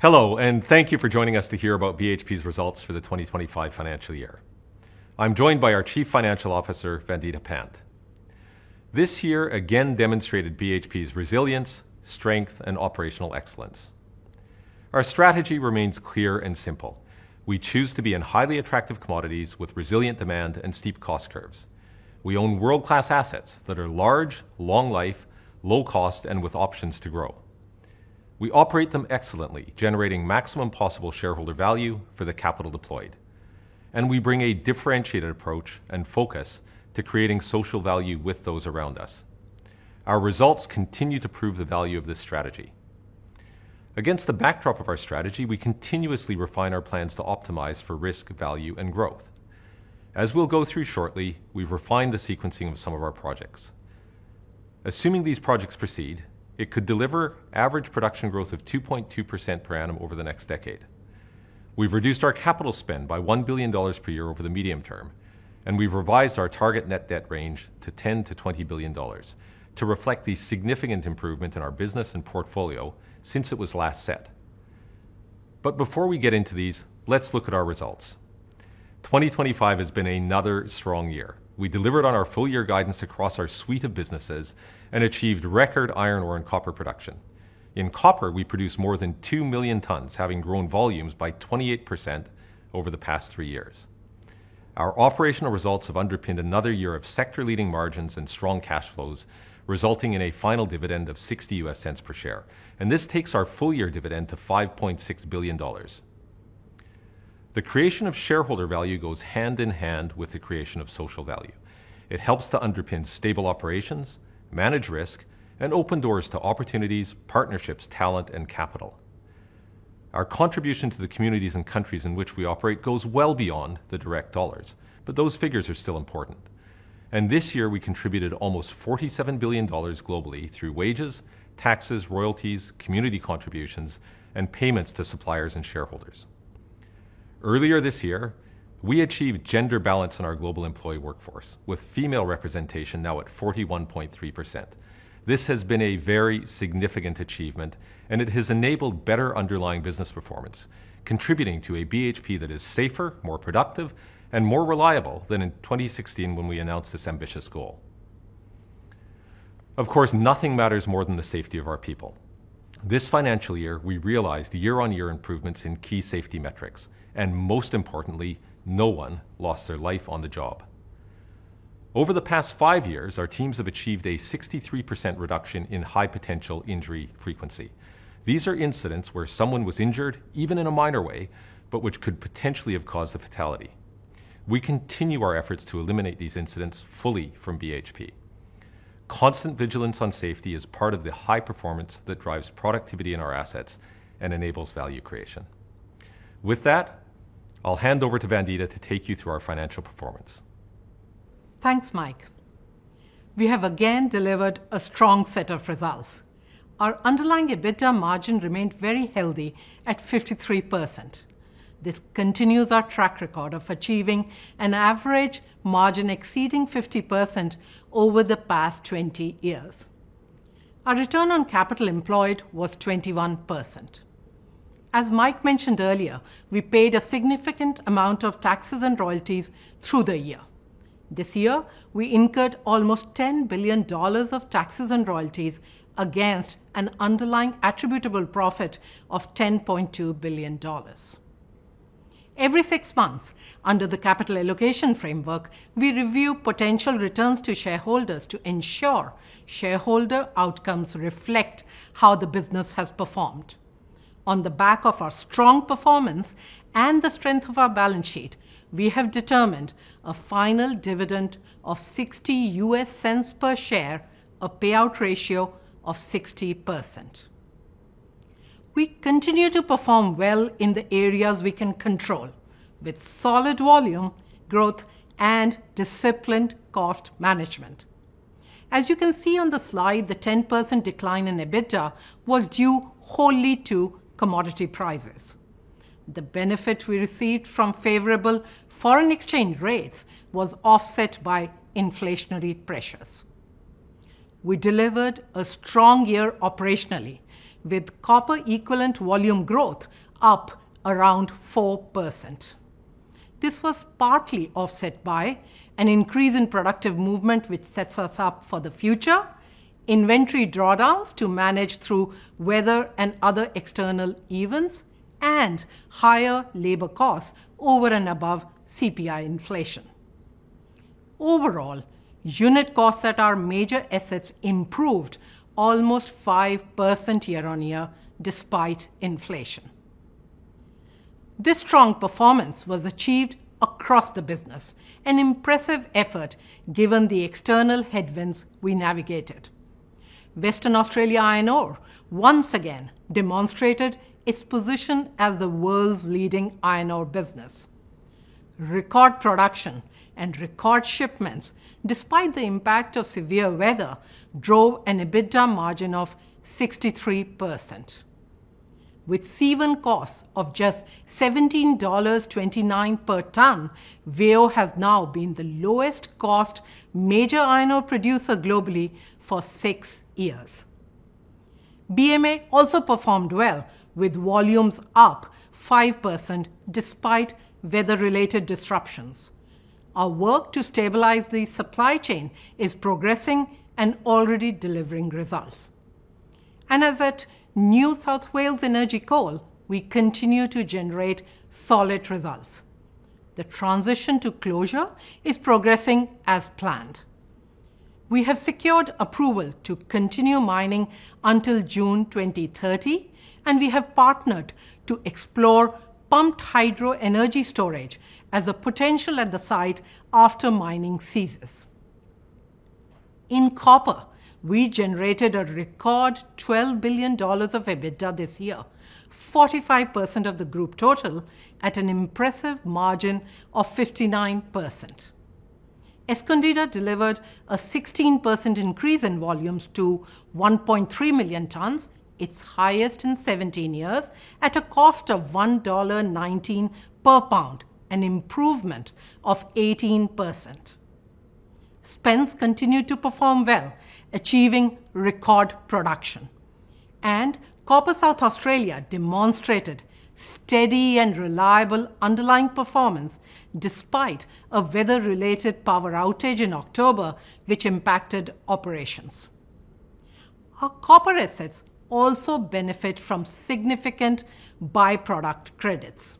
Hello and thank you for joining us to hear about BHP Group's results for the 2025 financial year. I'm joined by our Chief Financial Officer, Vandita Pant. This year again demonstrated BHP Group's resilience, strength, and operational excellence. Our strategy remains clear and simple: we choose to be in highly attractive commodities with resilient demand and steep cost curves. We own world-class assets that are large, long-life, low-cost, and with options to grow. We operate them excellently, generating maximum possible shareholder value for the capital deployed. We bring a differentiated approach and focus to creating social value with those around us. Our results continue to prove the value of this strategy. Against the backdrop of our strategy, we continuously refine our plans to optimize for risk, value, and growth. As we'll go through shortly, we've refined the sequencing of some of our projects. Assuming these projects proceed, it could deliver average production growth of 2.2% per annum over the next decade. We've reduced our capital spend by $1 billion per year over the medium term, and we've revised our target net debt range to $10 to $20 billion to reflect the significant improvement in our business and portfolio since it was last set. Before we get into these, let's look at our results. 2025 has been another strong year. We delivered on our full-year guidance across our suite of businesses and achieved record iron ore and copper production. In copper, we produced more than 2 million tons, having grown volumes by 28% over the past three years. Our operational results have underpinned another year of sector-leading margins and strong cash flows, resulting in a final dividend of $0.60 per share, and this takes our full-year dividend to $5.6 billion. The creation of shareholder value goes hand in hand with the creation of social value. It helps to underpin stable operations, manage risk, and open doors to opportunities, partnerships, talent, and capital. Our contribution to the communities and countries in which we operate goes well beyond the direct dollars, but those figures are still important. This year, we contributed almost $47 billion globally through wages, taxes, royalties, community contributions, and payments to suppliers and shareholders. Earlier this year, we achieved gender balance in our global employee workforce, with female representation now at 41.3%. This has been a very significant achievement, and it has enabled better underlying business performance, contributing to a BHP Group that is safer, more productive, and more reliable than in 2016 when we announced this ambitious goal. Of course, nothing matters more than the safety of our people. This financial year, we realized year-on-year improvements in key safety metrics, and most importantly, no one lost their life on the job. Over the past five years, our teams have achieved a 63% reduction in high-potential injury frequency. These are incidents where someone was injured, even in a minor way, but which could potentially have caused a fatality. We continue our efforts to eliminate these incidents fully from BHP Group. Constant vigilance on safety is part of the high performance that drives productivity in our assets and enables value creation. With that, I'll hand over to Vandita to take you through our financial performance. Thanks, Mike. We have again delivered a strong set of results. Our underlying EBITDA margin remained very healthy at 53%. This continues our track record of achieving an average margin exceeding 50% over the past 20 years. Our return on capital employed was 21%. As Mike mentioned earlier, we paid a significant amount of taxes and royalties through the year. This year, we incurred almost $10 billion of taxes and royalties against an underlying attributable profit of $10.2 billion. Every six months, under the Capital Allocation Framework, we review potential returns to shareholders to ensure shareholder outcomes reflect how the business has performed. On the back of our strong performance and the strength of our balance sheet, we have determined a final dividend of $0.60 per share, a payout ratio of 60%. We continue to perform well in the areas we can control, with solid volume growth and disciplined cost management. As you can see on the slide, the 10% decline in EBITDA was due wholly to commodity prices. The benefit we received from favorable foreign exchange rates was offset by inflationary pressures. We delivered a strong year operationally, with copper equivalent volume growth up around 4%. This was partly offset by an increase in productive movement, which sets us up for the future, inventory drawdowns to manage through weather and other external events, and higher labor costs over and above CPI inflation. Overall, unit costs at our major assets improved almost 5% year on year despite inflation. This strong performance was achieved across the business, an impressive effort given the external headwinds we navigated. Western Australia Iron Ore once again demonstrated its position as the world's leading iron ore business. Record production and record shipments, despite the impact of severe weather, drove an EBITDA margin of 63%. With seaborne costs of just $17.29 per ton, WAIO has now been the lowest-cost major iron ore producer globally for six years. BMA also performed well, with volumes up 5% despite weather-related disruptions. Our work to stabilize the supply chain is progressing and already delivering results. At New South Wales Energy Coal, we continue to generate solid results. The transition to closure is progressing as planned. We have secured approval to continue mining until June 2030, and we have partnered to explore pumped hydro energy storage as a potential at the site after mining ceases. In copper, we generated a record $12 billion of EBITDA this year, 45% of the group total, at an impressive margin of 59%. Escondida delivered a 16% increase in volumes to 1.3 million tons, its highest in 17 years, at a cost of $1.19 per pound, an improvement of 18%. Spence continued to perform well, achieving record production. Copper South Australia demonstrated steady and reliable underlying performance despite a weather-related power outage in October, which impacted operations. Our copper assets also benefit from significant byproduct credits.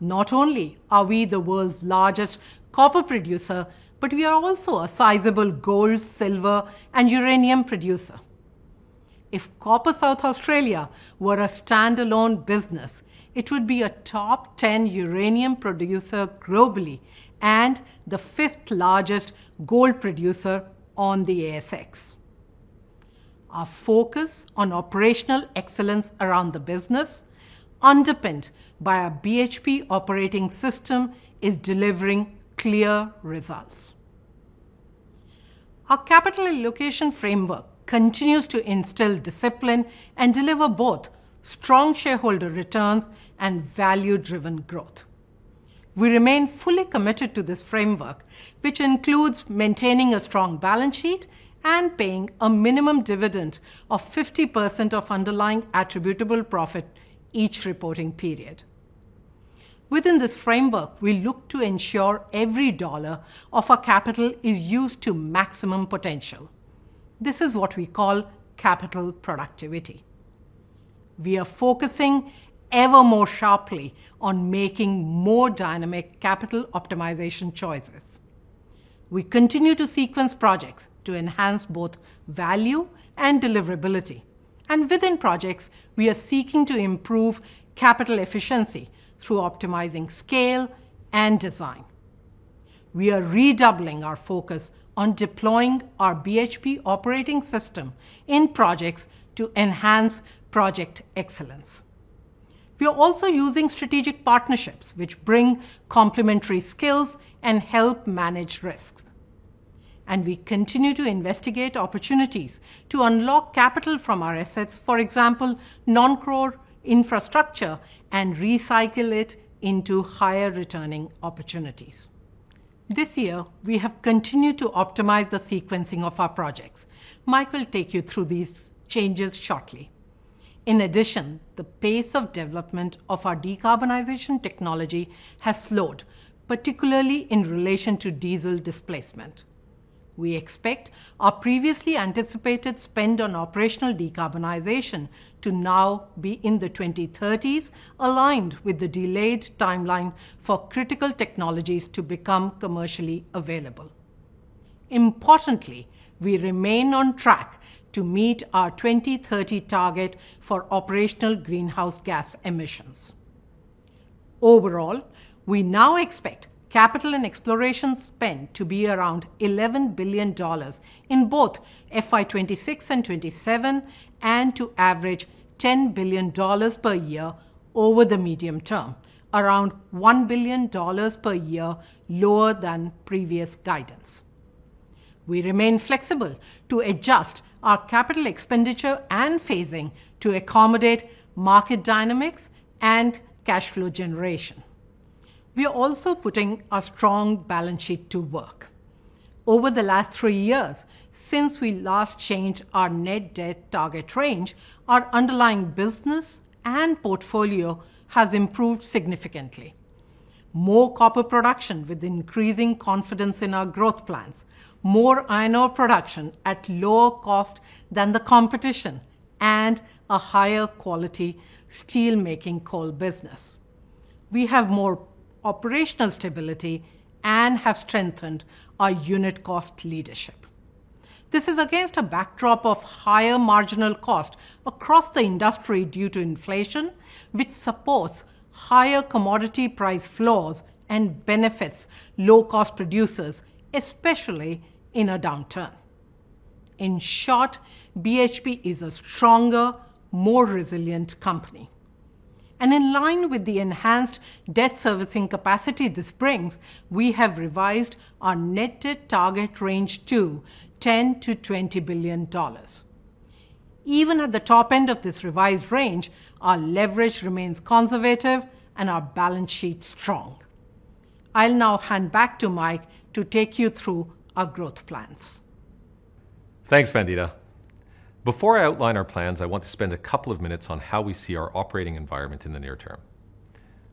Not only are we the world's largest copper producer, but we are also a sizable gold, silver, and uranium producer. If Copper South Australia were a standalone business, it would be a top 10 uranium producer globally and the fifth largest gold producer on the ASX. Our focus on operational excellence around the business, underpinned by our BHP operating system, is delivering clear results. Our Capital Allocation Framework continues to instill discipline and deliver both strong shareholder returns and value-driven growth. We remain fully committed to this framework, which includes maintaining a strong balance sheet and paying a minimum dividend of 50% of underlying attributable profit each reporting period. Within this framework, we look to ensure every dollar of our capital is used to maximum potential. This is what we call capital productivity. We are focusing ever more sharply on making more dynamic capital optimization choices. We continue to sequence projects to enhance both value and deliverability, and within projects, we are seeking to improve capital efficiency through optimizing scale and design. We are redoubling our focus on deploying our BHP operating system in projects to enhance project excellence. We are also using strategic partnerships, which bring complementary skills and help manage risks. We continue to investigate opportunities to unlock capital from our assets, for example, non-core infrastructure, and recycle it into higher returning opportunities. This year, we have continued to optimize the sequencing of our projects. Mike will take you through these changes shortly. In addition, the pace of development of our decarbonization technology has slowed, particularly in relation to diesel displacement. We expect our previously anticipated spend on operational decarbonization to now be in the 2030s, aligned with the delayed timeline for critical technologies to become commercially available. Importantly, we remain on track to meet our 2030 target for operational greenhouse gas emissions. Overall, we now expect capital and exploration spend to be around $11 billion in both FY26 and 27, and to average $10 billion per year over the medium term, around $1 billion per year lower than previous guidance. We remain flexible to adjust our capital expenditure and phasing to accommodate market dynamics and cash flow generation. We are also putting our strong balance sheet to work. Over the last three years, since we last changed our net debt target range, our underlying business and portfolio have improved significantly. More copper production with increasing confidence in our growth plans, more iron ore production at lower cost than the competition, and a higher-quality steelmaking coal business. We have more operational stability and have strengthened our unit cost leadership. This is against a backdrop of higher marginal costs across the industry due to inflation, which supports higher commodity price floors and benefits low-cost producers, especially in a downturn. In short, BHP Group is a stronger, more resilient company. In line with the enhanced debt servicing capacity this brings, we have revised our net debt target range to $10 to $20 billion. Even at the top end of this revised range, our leverage remains conservative and our balance sheet strong. I'll now hand back to Mike to take you through our growth plans. Thanks, Vandita. Before I outline our plans, I want to spend a couple of minutes on how we see our operating environment in the near term.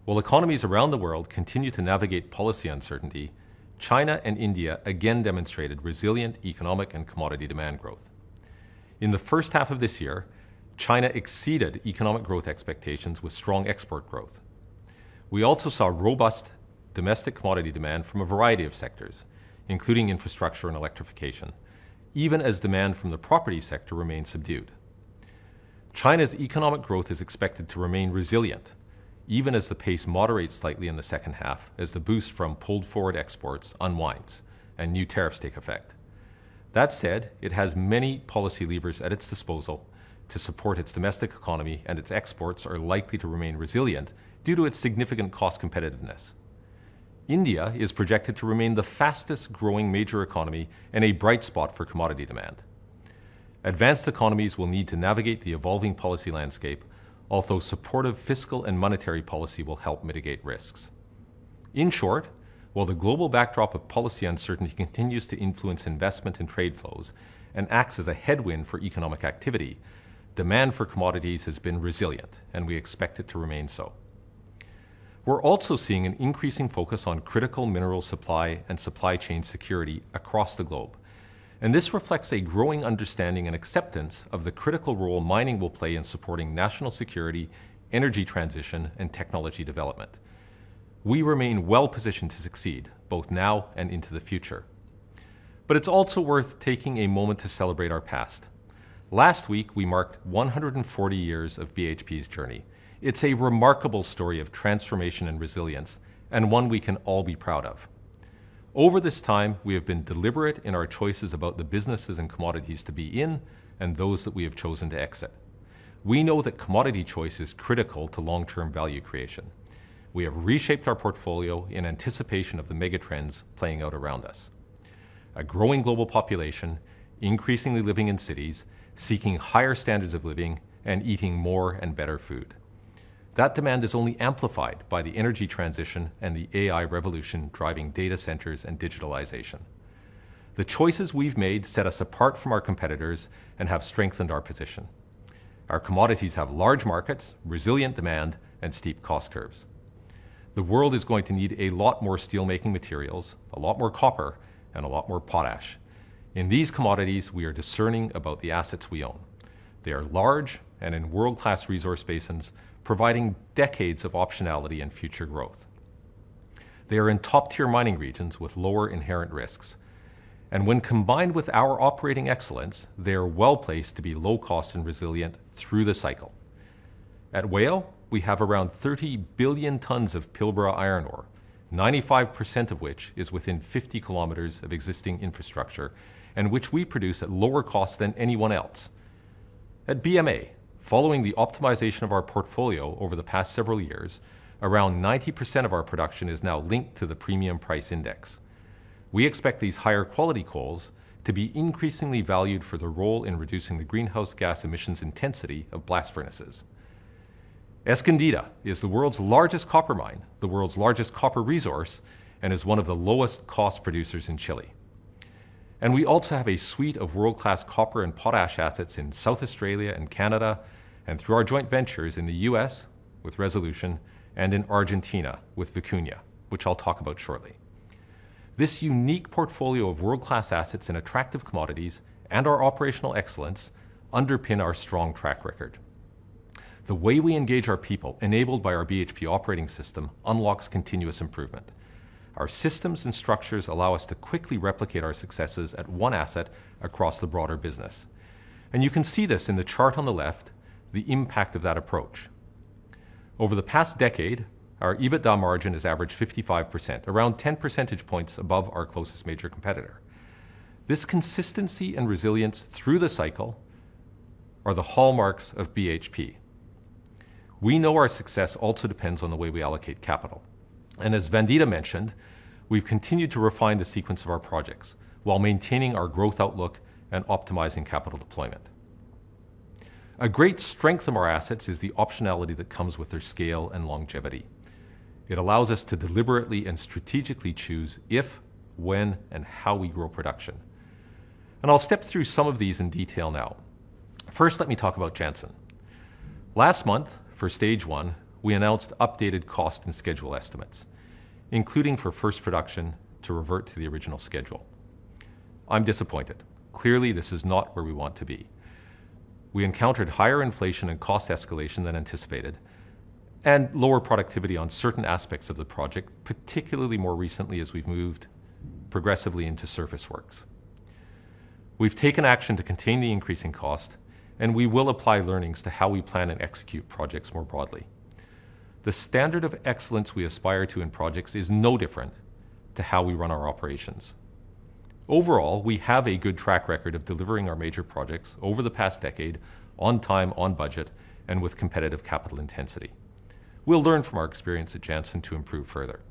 While economies around the world continue to navigate policy uncertainty, China and India again demonstrated resilient economic and commodity demand growth. In the first half of this year, China exceeded economic growth expectations with strong export growth. We also saw robust domestic commodity demand from a variety of sectors, including infrastructure and electrification, even as demand from the property sector remains subdued. China's economic growth is expected to remain resilient, even as the pace moderates slightly in the second half as the boost from pulled-forward exports unwinds and new tariffs take effect. That said, it has many policy levers at its disposal to support its domestic economy, and its exports are likely to remain resilient due to its significant cost competitiveness. India is projected to remain the fastest-growing major economy and a bright spot for commodity demand. Advanced economies will need to navigate the evolving policy landscape, although supportive fiscal and monetary policy will help mitigate risks. In short, while the global backdrop of policy uncertainty continues to influence investment and trade flows and acts as a headwind for economic activity, demand for commodities has been resilient, and we expect it to remain so. We're also seeing an increasing focus on critical mineral supply and supply chain security across the globe, and this reflects a growing understanding and acceptance of the critical role mining will play in supporting national security, energy transition, and technology development. We remain well-positioned to succeed, both now and into the future. It's also worth taking a moment to celebrate our past. Last week, we marked 140 years of BHP Group's journey. It's a remarkable story of transformation and resilience, and one we can all be proud of. Over this time, we have been deliberate in our choices about the businesses and commodities to be in and those that we have chosen to exit. We know that commodity choice is critical to long-term value creation. We have reshaped our portfolio in anticipation of the megatrends playing out around us: a growing global population, increasingly living in cities, seeking higher standards of living, and eating more and better food. That demand is only amplified by the energy transition and the AI revolution driving data centers and digitalization. The choices we've made set us apart from our competitors and have strengthened our position. Our commodities have large markets, resilient demand, and steep cost curves. The world is going to need a lot more steelmaking materials, a lot more copper, and a lot more potash. In these commodities, we are discerning about the assets we own. They are large and in world-class resource basins, providing decades of optionality and future growth. They are in top-tier mining regions with lower inherent risks. When combined with our operating excellence, they are well-placed to be low-cost and resilient through the cycle. At WAIO, we have around 30 billion tons of Pilbara iron ore, 95% of which is within 50 kilometers of existing infrastructure and which we produce at lower costs than anyone else. At BMA, following the optimization of our portfolio over the past several years, around 90% of our production is now linked to the Premium Price Index. We expect these higher-quality coals to be increasingly valued for their role in reducing the greenhouse gas emissions intensity of blast furnaces. Escondida is the world's largest copper mine, the world's largest copper resource, and is one of the lowest-cost producers in Chile. We also have a suite of world-class copper and potash assets in South Australia and Canada, and through our joint ventures in the U.S. with Resolution, and in Argentina with Vicuña, which I'll talk about shortly. This unique portfolio of world-class assets and attractive commodities and our operational excellence underpin our strong track record. The way we engage our people, enabled by our BHP operating system, unlocks continuous improvement. Our systems and structures allow us to quickly replicate our successes at one asset across the broader business. You can see this in the chart on the left, the impact of that approach. Over the past decade, our EBITDA margin has averaged 55%, around 10 percentage points above our closest major competitor. This consistency and resilience through the cycle are the hallmarks of BHP. We know our success also depends on the way we allocate capital. As Vandita mentioned, we've continued to refine the sequence of our projects while maintaining our growth outlook and optimizing capital deployment. A great strength of our assets is the optionality that comes with their scale and longevity. It allows us to deliberately and strategically choose if, when, and how we grow production. I'll step through some of these in detail now. First, let me talk about Jansen. Last month, for Stage 1, we announced updated cost and schedule estimates, including for first production to revert to the original schedule. I'm disappointed. Clearly, this is not where we want to be. We encountered higher inflation and cost escalation than anticipated, and lower productivity on certain aspects of the project, particularly more recently as we've moved progressively into surface works. We've taken action to contain the increasing cost, and we will apply learnings to how we plan and execute projects more broadly. The standard of excellence we aspire to in projects is no different to how we run our operations. Overall, we have a good track record of delivering our major projects over the past decade on time, on budget, and with competitive capital intensity. We'll learn from our experience at Jansen to improve further.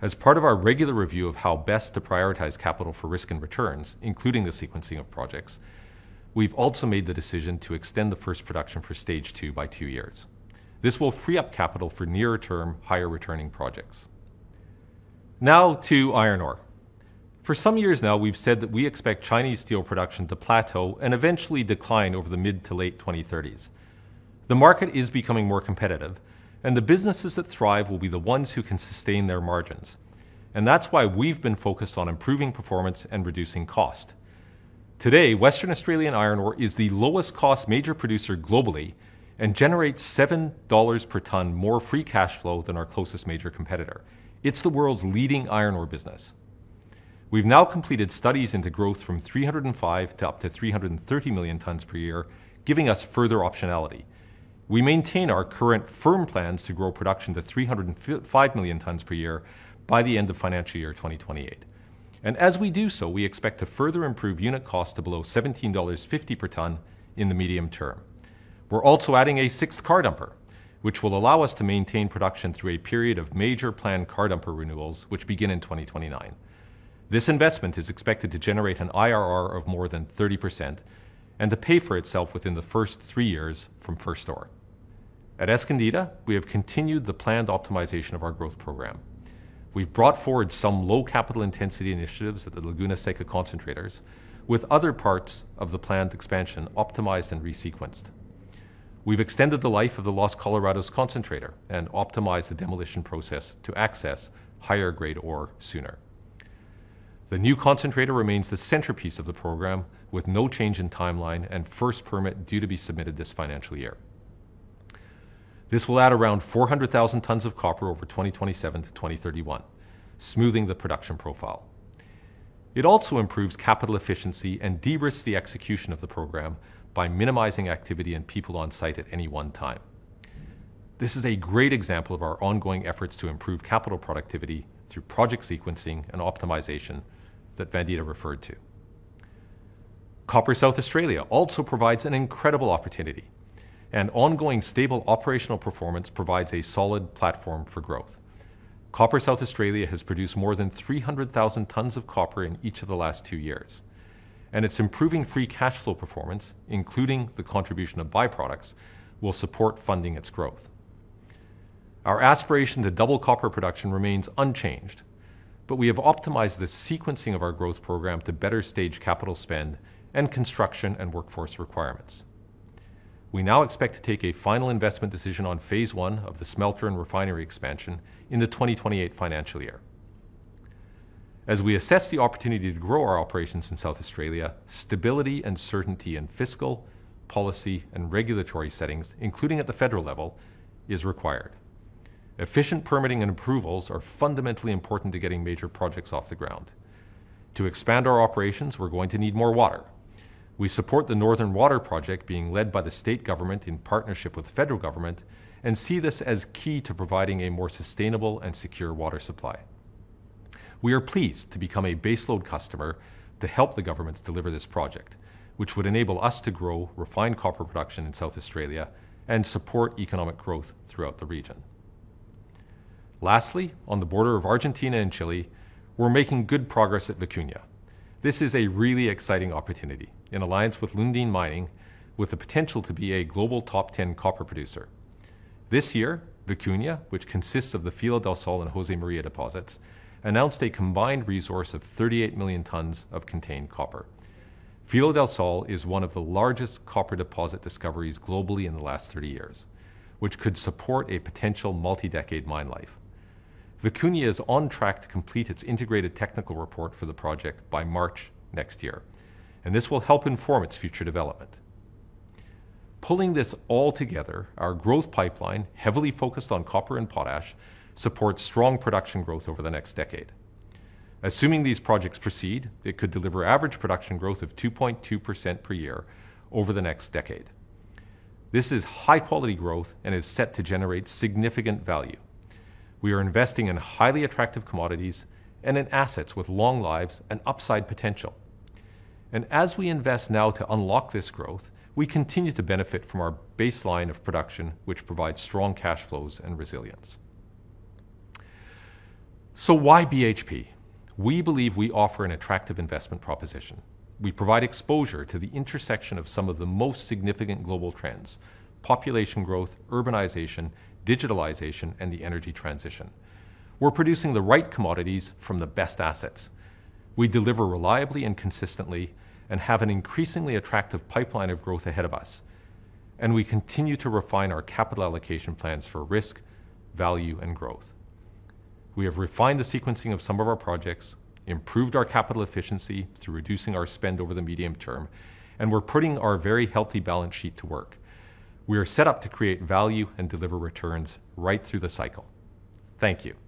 As part of our regular review of how best to prioritize capital for risk and returns, including the sequencing of projects, we've also made the decision to extend the first production for Stage two by two years. This will free up capital for nearer-term, higher-returning projects. Now to iron ore. For some years now, we've said that we expect Chinese steel production to plateau and eventually decline over the mid to late 2030s. The market is becoming more competitive, and the businesses that thrive will be the ones who can sustain their margins. That's why we've been focused on improving performance and reducing cost. Today, Western Australia Iron Ore is the lowest-cost major producer globally and generates $7 per ton more free cash flow than our closest major competitor. It's the world's leading iron ore business. We've now completed studies into growth from 305 to up to 330 million tons per year, giving us further optionality. We maintain our current firm plans to grow production to 305 million tons per year by the end of financial year 2028. As we do so, we expect to further improve unit costs to below $17.50 per ton in the medium term. We're also adding a sixth car dumper, which will allow us to maintain production through a period of major planned car dumper renewals, which begin in 2029. This investment is expected to generate an IRR of more than 30% and to pay for itself within the first three years from first store. At Escondida, we have continued the planned optimization of our growth program. We've brought forward some low-capital intensity initiatives at the Laguna Seca Concentrators, with other parts of the planned expansion optimized and resequenced. We've extended the life of the Los Colorados Concentrator and optimized the demolition process to access higher-grade ore sooner. The new concentrator remains the centerpiece of the program, with no change in timeline and first permit due to be submitted this financial year. This will add around 400,000 tons of copper over 2027 to 2031, smoothing the production profile. It also improves capital efficiency and de-risks the execution of the program by minimizing activity and people on site at any one time. This is a great example of our ongoing efforts to improve capital productivity through project sequencing and optimization that Vandita referred to. Copper South Australia also provides an incredible opportunity. An ongoing stable operational performance provides a solid platform for growth. Copper South Australia has produced more than 300,000 tons of copper in each of the last two years. Its improving free cash flow performance, including the contribution of byproducts, will support funding its growth. Our aspiration to double copper production remains unchanged, but we have optimized the sequencing of our growth program to better stage capital spend and construction and workforce requirements. We now expect to take a final investment decision on phase one of the smelter and refinery expansion in the 2028 financial year. As we assess the opportunity to grow our operations in South Australia, stability and certainty in fiscal, policy, and regulatory settings, including at the federal level, is required. Efficient permitting and approvals are fundamentally important to getting major projects off the ground. To expand our operations, we're going to need more water. We support the Northern Water Project, being led by the state government in partnership with the federal government, and see this as key to providing a more sustainable and secure water supply. We are pleased to become a baseload customer to help the government deliver this project, which would enable us to grow refined copper production in South Australia and support economic growth throughout the region. Lastly, on the border of Argentina and Chile, we're making good progress at Vicuña. This is a really exciting opportunity in alliance with Lundin Mining, with the potential to be a global top 10 copper producer. This year, Vicuña, which consists of the Filo del Sol and Jose Maria deposits, announced a combined resource of 38 million tons of contained copper. Filo del Sol is one of the largest copper deposit discoveries globally in the last 30 years, which could support a potential multi-decade mine life. Vicuña is on track to complete its integrated technical report for the project by March next year, and this will help inform its future development. Pulling this all together, our growth pipeline, heavily focused on copper and potash, supports strong production growth over the next decade. Assuming these projects proceed, it could deliver average production growth of 2.2% per year over the next decade. This is high-quality growth and is set to generate significant value. We are investing in highly attractive commodities and in assets with long lives and upside potential. As we invest now to unlock this growth, we continue to benefit from our baseline of production, which provides strong cash flows and resilience. Why BHP? We believe we offer an attractive investment proposition. We provide exposure to the intersection of some of the most significant global trends: population growth, urbanization, digitalization, and the energy transition. We're producing the right commodities from the best assets. We deliver reliably and consistently and have an increasingly attractive pipeline of growth ahead of us. We continue to refine our capital allocation plans for risk, value, and growth. We have refined the sequencing of some of our projects, improved our capital efficiency through reducing our spend over the medium term, and we're putting our very healthy balance sheet to work. We are set up to create value and deliver returns right through the cycle. Thank you.